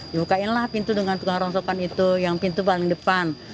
dibukainlah pintu dengan tukang rongsokan itu yang pintu paling depan